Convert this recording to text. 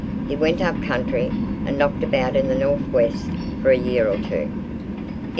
He went up country and knocked about in the north west for a year or two. II.